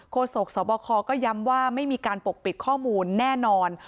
โศกสบคก็ย้ำว่าไม่มีการปกปิดข้อมูลแน่นอน